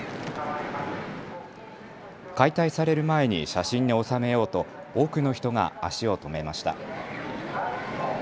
解体される前に写真に収めようと多くの人が足を止めました。